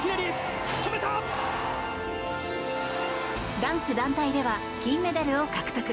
男子団体では金メダルを獲得。